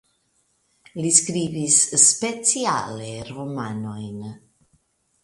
Li skribis speciale romanojn.